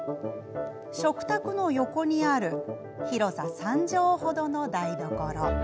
食卓の横にある広さ三畳程の台所。